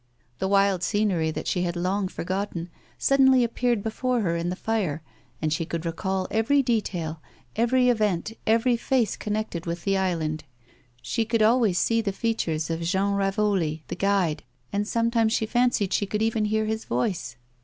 The wild scenery that she had long forgotten suddenly appeared before hor in the fire, and she could recall every detail, every event, every face connected with the island. She could always see the features of Jean Ravoli, the guide, and sometimes she fancied she could even hear his voice.